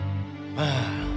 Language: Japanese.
ああ。